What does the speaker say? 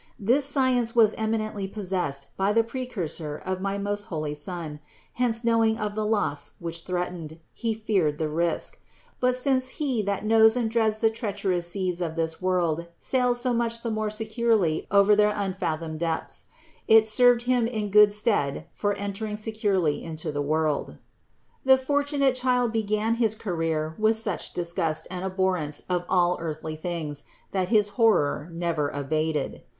This science was eminently possessed by the Precursor of my most holy Son; hence knowing of the loss which threatened, he feared the risk. But, since he that knows and dreads the treacherous seas of this world, sails so much the THE INCARNATION 227 more securely over their unfathomed depths, it served him in good stead for entering securely into the world. The fortunate child began his career with such disgust and abhorrence of all earthly things, that his horror never abated.